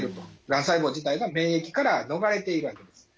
がん細胞自体が免疫から逃れているわけです。